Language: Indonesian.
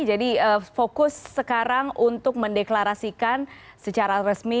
jadi fokus sekarang untuk mendeklarasikan secara resmi